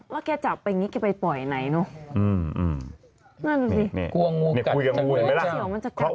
ว่าแกจะเอาไปอย่างงี้แกจะไปปล่อยไหนเนาะ